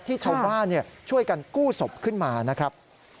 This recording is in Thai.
ที่ชาวบ้านช่วยกันกู้ศพขึ้นมานะครับ